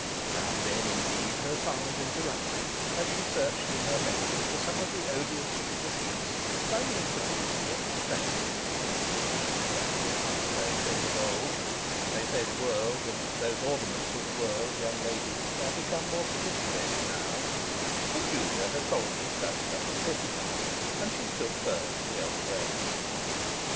Now and then indeed her song was interrupted, as she searched in her memory for some of the odious little receipts by means of which the game is practised or used to be practised in the brave days of old; they say the world, and those ornaments of the world, young ladies, are become more sophisticated now; but Julia had probably studied under Pitman, and she stood firm in the old ways.